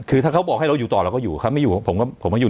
คือถ้าเขาบอกให้เราอยู่ต่อเราก็อยู่เขาไม่อยู่ผมก็ผมไม่อยู่